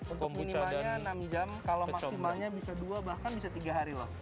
untuk minimalnya enam jam kalau maksimalnya bisa dua bahkan bisa tiga hari loh